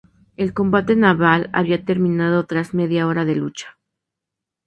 El combate naval había terminado tras media hora de lucha.